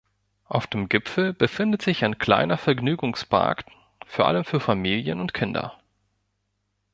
Auf dem Gipfel befindet sich ein kleiner Vergnügungspark vor allem für Familien mit Kindern.